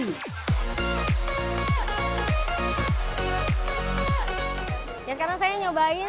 sekarang saya nyobain sate klatak asal imogiri yogyakarta ini sepanjang saya cari makanan yang